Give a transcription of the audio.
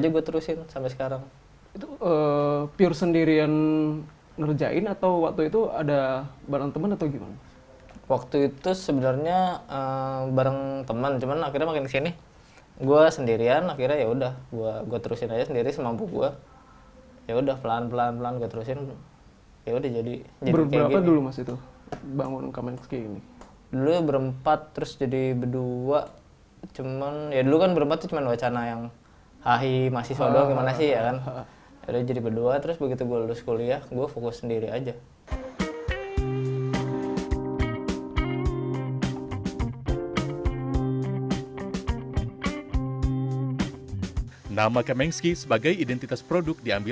kini bisnis said mulai merambah pasar online